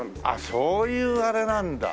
そういうあれなんだ。